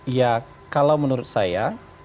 ya kalau menurut saya